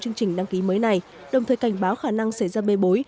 chương trình đăng ký mới này đồng thời cảnh báo khả năng xảy ra bê bối